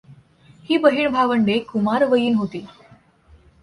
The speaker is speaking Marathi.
ही बहीण भावंडे कुमारवयीन होती.